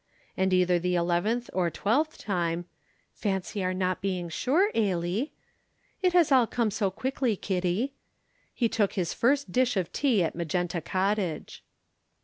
and either the eleventh or twelfth time ("Fancy our not being sure, Ailie" "It has all come so quickly, Kitty") he took his first dish of tea at Magenta Cottage.